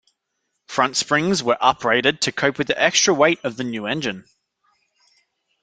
Front springs were uprated to cope with the extra weight of the new engine.